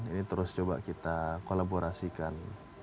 ini terus coba kita kolaborasikan